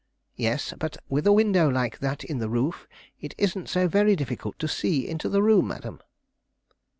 "Yes; but with a window like that in the roof, it isn't so very difficult to see into the room, madam."